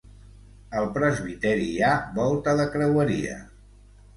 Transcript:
Al presbiteri hi ha volta de creueria.